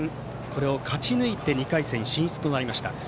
これを勝ち抜いて２回戦進出となりました。